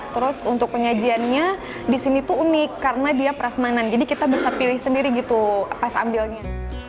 terus untuk penyajiannya di sini tuh unik karena dia prasmanan jadi kita bisa pilih sendiri gitu pas ambilnya